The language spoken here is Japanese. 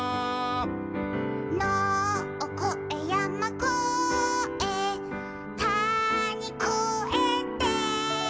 「のをこえやまこえたにこえて」